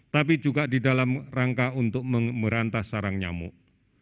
tapi juga di dalam rangka untuk merantas sarang nyamuk